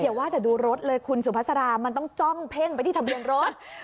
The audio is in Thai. ว่าแต่ดูรถเลยคุณสุภาษามันต้องจ้องเพ่งไปที่ทะเบียนรถ